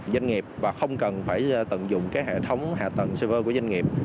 doanh nghiệp không cần phải tận dụng cái hệ thống hạ tầng server của doanh nghiệp